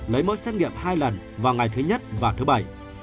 lấy mẫu xét nghiệm hai lần vào ngày thứ nhất và thứ bảy